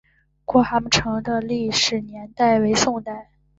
郭蛤蟆城的历史年代为宋代。